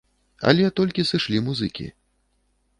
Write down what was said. Але толькі сышлі музыкі.